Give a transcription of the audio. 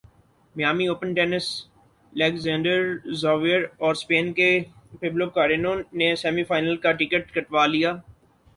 Miami Open tennis Alexander Zverev اورسپین کے Pablo Carreno نے سیمی فائنل کا ٹکٹ کٹوا لیا